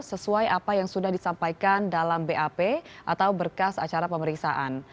sesuai apa yang sudah disampaikan dalam bap atau berkas acara pemeriksaan